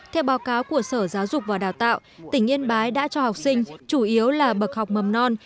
theo báo cáo của sở giáo dục và đào tạo tỉnh yên bái đã cho học sinh chủ yếu là bậc học mầm non